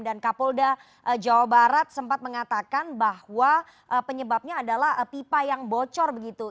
dan kapolda jawa barat sempat mengatakan bahwa penyebabnya adalah pipa yang bocor begitu